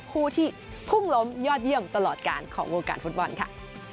คู่ที่พุ่งล้มยอดเยี่ยมตลอดการของวงการฟุตบอลค่ะ